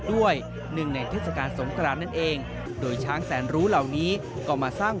หนึ่งในเทศกาลสงครานนั่นเองโดยช้างแสนรู้เหล่านี้ก็มาสร้าง